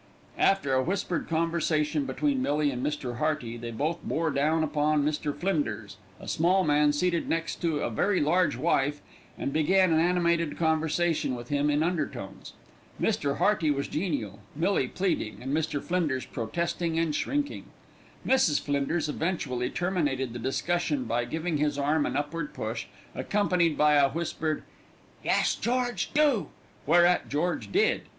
After a whispered conversation between Millie and Mr. Hearty, they both bore down upon Mr. Flinders, a small man seated next to a very large wife, and began an animated conversation with him in undertones. Mr. Hearty was genial, Millie pleading, and Mr. Flinders protesting and shrinking. Mrs. Flinders eventually terminated the discussion by giving his arm an upward push, accompanied by a whispered, "Yes, George, do," whereat George did.